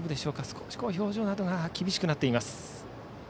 少し表情などが厳しくなっています。